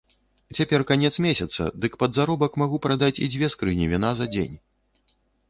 Цяпер канец месяца, дык пад заробак магу прадаць і дзве скрыні віна за дзень.